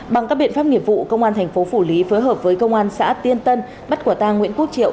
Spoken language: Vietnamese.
bằng các biện pháp nghiệp vụ công an thành phố phủ lý phối hợp với công an xã tiên tân bắt quả tang nguyễn quốc triệu